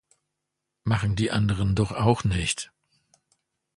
Machen die anderen doch auch nicht!